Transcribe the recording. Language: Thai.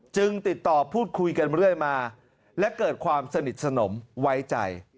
ติดต่อพูดคุยกันเรื่อยมาและเกิดความสนิทสนมไว้ใจ